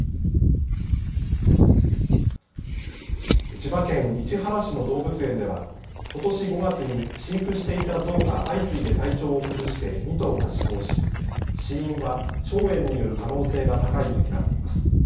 千葉県市原市の動物園ではことし５月に飼育していたゾウが相次いで体調を崩して２頭が死亡し死因は腸炎による可能性が高いと見られています。